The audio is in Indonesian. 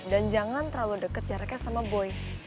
dan jangan terlalu deket jaraknya sama boy